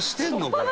これ」